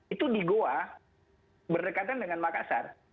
itu di goa berdekatan dengan makassar